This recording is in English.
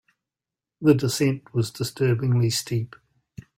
The descent was disturbingly steep.